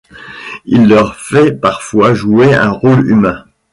Il leur fait parfois jouer un rôle humain.